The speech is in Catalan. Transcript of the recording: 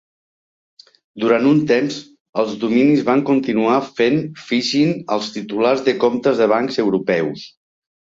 Durant un temps, els dominis van continuar fent phishing als titulars de comptes de bancs europeus.